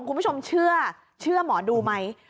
คุณผู้ชมเชื่อหมอดูไหม